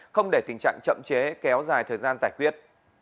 không để tình trạng chậm chế kéo dài thời gian giải quyết